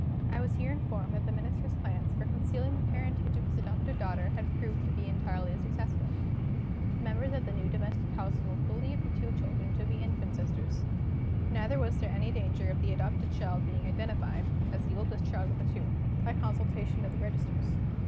I was here informed that the Minister's plans for concealing the parentage of his adopted daughter had proved to be entirely successful. The members of the new domestic household believed the two children to be infant sisters. Neither was there any danger of the adopted child being identified (as the oldest child of the two) by consultation of the registers.